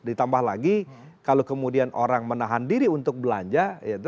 ditambah lagi kalau kemudian orang menahan diri untuk belanja